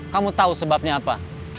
kamu tahu sebabnya apa